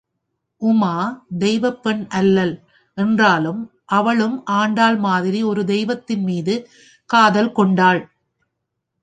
உமா தெய்வப் பெண் அல்லள் என்றாலும் அவளும் ஆண்டாள் மாதிரி ஒரு தெய்வத்தின் மீது காதல் கொண்டாள்.